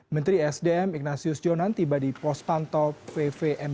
menteri sdm ignasius jonan tiba di pos pantau vvm